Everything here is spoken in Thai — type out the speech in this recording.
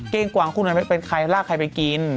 กวางคู่ไหนเป็นใครลากใครไปกิน